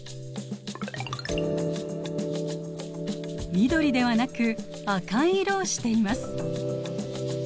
緑ではなく赤い色をしています。